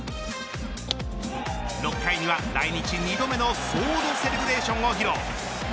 ６回には来日２度目のソードセレブレーションを披露。